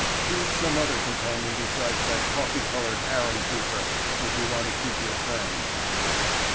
Choose some other companion besides that coffee colored harem keeper if you want to keep your friends."